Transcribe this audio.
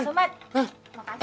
pak somad makasih ya